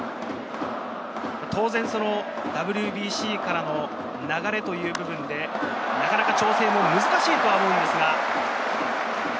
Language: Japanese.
当然、ＷＢＣからの流れという部分で、なかなか調整も難しいとは思うんですが。